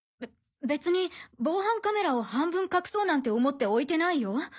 べ別に防犯カメラを半分隠そうなんて思って置いてないよ？